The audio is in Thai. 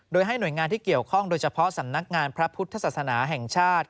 โดยให้หน่วยงานที่เกี่ยวข้องโดยเฉพาะสำนักงานพระพุทธศาสนาแห่งชาติ